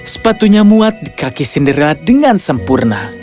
sepatunya muat di kaki cindera dengan sempurna